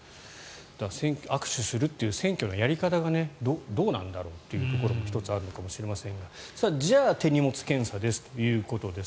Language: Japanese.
握手するという選挙のやり方がどうなんだろうというところも１つあるのかもしれませんがじゃあ手荷物検査ですということです。